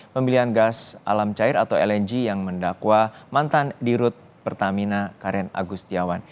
pembelian gas alam cair atau lng yang mendakwa mantan dirut pertamina karen agustiawan